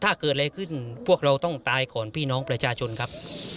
ถ้าเกิดอะไรขึ้นพวกเราต้องตายก่อนพี่น้องประชาชนครับ